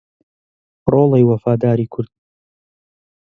ڕۆڵەی وەفاداری کورد